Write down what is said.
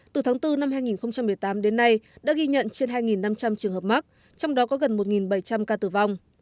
từ tháng bốn năm hai nghìn một mươi tám đến nay đã ghi nhận trên hai năm trăm linh trường hợp mắc trong đó có gần một bảy trăm linh ca tử vong